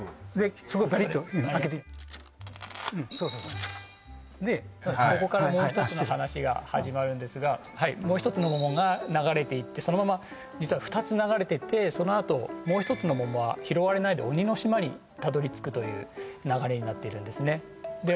そこベリッと開けてうんそうそうそうでここからもう一つの話が始まるんですがもう一つの桃が流れていってそのまま実は２つ流れていってそのあともう一つの桃は拾われないで鬼の島にたどり着くという流れになっているんですねで